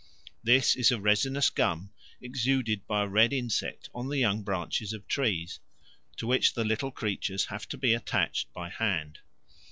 This is a resinous gum exuded by a red insect on the young branches of trees, to which the little creatures have to be attached by hand.